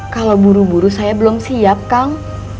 kalau buru buru saya belum siap kang